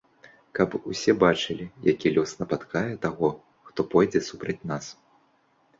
Каб усе бачылі, які лёс напаткае таго, хто пойдзе супраць нас.